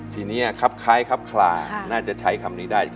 ทีนี้ครับคล้ายครับคลาน่าจะใช้คำนี้ได้